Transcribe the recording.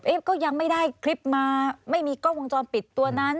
ก็ยังไม่ได้คลิปมาไม่มีกล้องวงจรปิดตัวนั้น